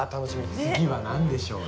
次は何でしょうね？